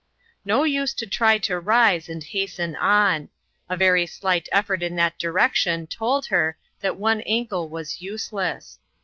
No use to try to rise and hasten on. A very slight effort in that direction told her that one ankle was useless.